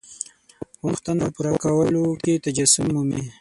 غوښتنو پوره کولو کې تجسم مومي.